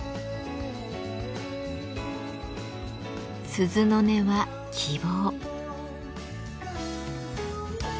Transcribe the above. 鈴の音は希望。